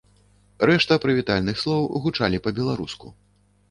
Рэшта прывітальных слоў гучалі па-беларуску.